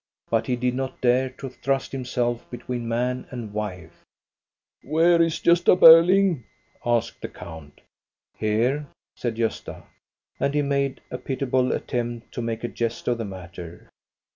But he did not dare to thrust himself between man and wife. "Where is Gosta Berling? " asked the count. " Here," said Gosta. And he made a pitiable attempt to make a jest of the matter.